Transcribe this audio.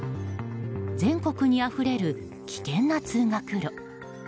全国にあふれる危険な通学路。